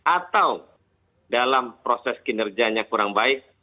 atau dalam proses kinerjanya kurang baik